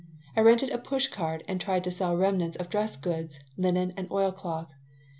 I rented a push cart and tried to sell remnants of dress goods, linen, and oil cloth.